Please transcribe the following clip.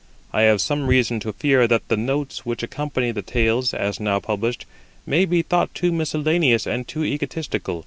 I have some reason to fear that the notes which accompany the tales, as now published, may be thought too miscellaneous and too egotistical.